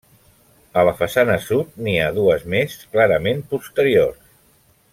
A la façana sud n'hi ha dues més, clarament posteriors.